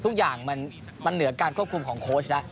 ทุกอย่างมันเหนือการควบคุมของโค้ชแล้ว